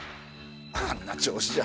あんな調子じゃ